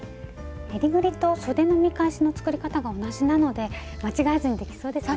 えりぐりとそでの見返しの作り方が同じなので間違えずにできそうですね。